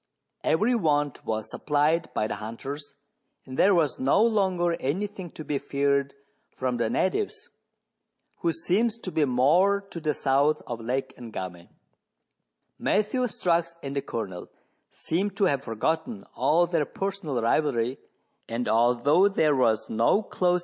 Every want was supplied by the hunters, and there was no longer any thing to be feared from the natives, who seemed to be more to the south of Lake Ngami. Matthew Strux and the Colonel seemed to have forgotten all their personal rivalry, and although there was no close THREE ENGLISHMEN AND THREE RUSSIANS.